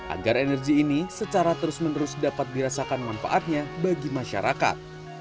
agar energi ini secara terus menerus dapat dirasakan manfaatnya bagi masyarakat